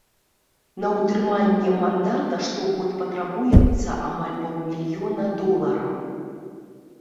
На ўтрыманне мандата штогод патрабуецца амаль паўмільёна долараў.